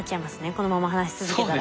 このまま話し続けたら。